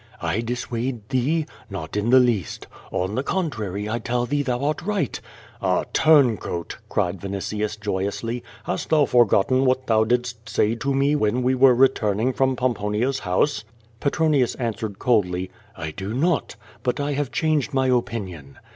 ^I dissuade thee? Not in the least. On the contrary I tell thee thou art right." "Ah, turncoat!" cried Vinitius, joyously, "hast thou for gotten w^hat thou didst say to me when we were returning from Pomponia's house?" Petronius answered coldly, "I do not. But I have changed my opinion."